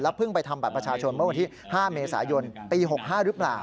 เพิ่งไปทำบัตรประชาชนเมื่อวันที่๕เมษายนปี๖๕หรือเปล่า